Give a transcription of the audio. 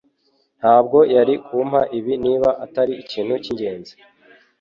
ntabwo yari kumpa ibi niba atari ikintu cyingenzi.